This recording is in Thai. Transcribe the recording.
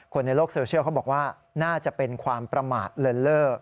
คนในโลกโซเชียลเขาบอกว่าน่าจะเป็นความประมาทเลินเล่อ